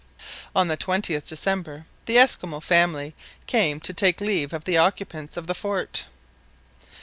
On the 20th December the Esquimaux family came to take leave of the occupants of the fort.